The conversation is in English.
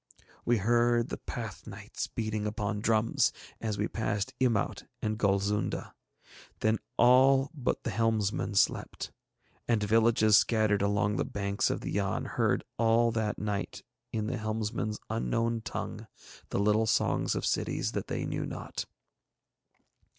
We heard the Pathnites beating upon drums as we passed Imaut and Golzunda, then all but the helmsman slept. And villages scattered along the banks of the Yann heard all that night in the helmsman's unknown tongue the little songs of cities that they knew not.